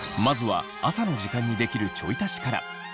まずは朝の時間にできるちょい足しから。